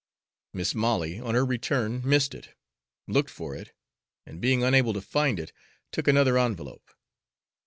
Mis' Molly, on her return, missed it, looked for it, and being unable to find it, took another envelope.